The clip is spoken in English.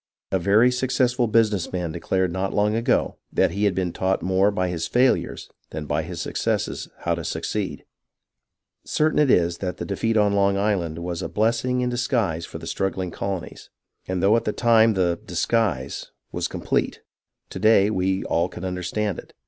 A very successful business man declared not long ago that he had been taught more by his failures than by his successes how to succeed. Certain it is that the defeat on Long Island was a blessing in disguise for the strug gling colonies, and though at the time the " disguise " was complete, to day we all can understand it.